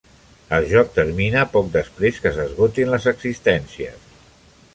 Els joc termina poc després que s'esgotin les existències.